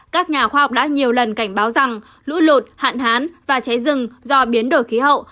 các nhà khoa học đã nhiều lần cảnh báo rằng lũ lụt hạn hán và cháy rừng do biến đổi khí hậu